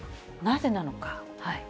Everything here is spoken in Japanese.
なぜなのか。